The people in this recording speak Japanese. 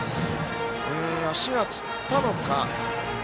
足がつったのか。